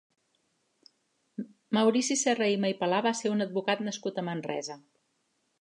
Maurici Serrahima i Palà va ser un advocat nascut a Manresa.